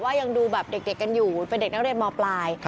ว่ายังดูแบบเด็กกันอยู่เป็นเด็กมปลาย